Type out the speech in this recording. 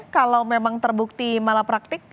kalau memang terbukti malapraktik